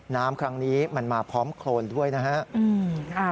น้ำครั้งนี้มันมาพร้อมโครนด้วยนะครับ